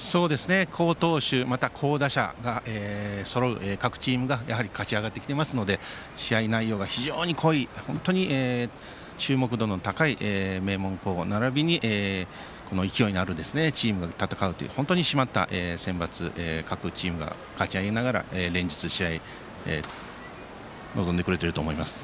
好投手または好打者がそろう各チームが勝ち上がってきていますので試合内容が非常に濃い本当に注目度の高い名門校ならびに勢いのあるチームが戦うという本当に締まったセンバツで各チームが勝ち上がりながら連日、試合に臨んでくれていると思います。